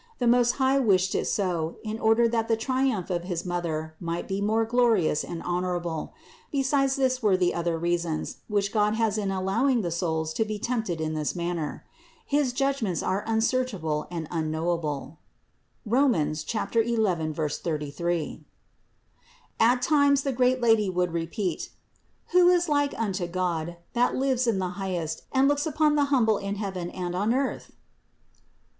The Most High wished it so, in order that the 274 CITY OF GOD triumph of his Mother might be more glorious and honorable; besides this there were the other reasons, which God has in allowing the souls to be tempted in this manner. His judgments are unsearchable and un knowable (Rom. 11, 33). At times the great Lady would repeat : "Who is like unto God, that lives in the highest and looks upon the humble in heaven and on earth?" (Ps.